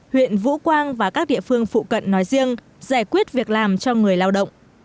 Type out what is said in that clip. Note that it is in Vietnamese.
huyện vũ quang và các địa phương phụ cận nói riêng giải quyết việc làm cho người lao động